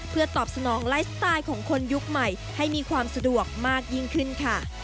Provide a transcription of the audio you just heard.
เพื่อตอบสนองไลฟ์สไตล์ของคนยุคใหม่ให้มีความสะดวกมากยิ่งขึ้นค่ะ